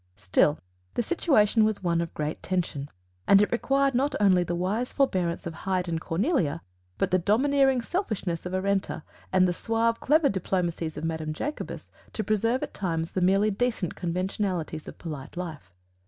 Still the situation was one of great tension, and it required not only the wise forbearance of Hyde and Cornelia, but the domineering selfishness of Arenta and the suave clever diplomacies of Madame Jacobus to preserve at times the merely decent conventionalities of polite life.